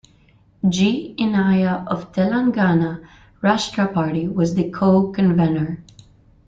G. Innaiah of Telangana Rashtra Party was the co-convenor.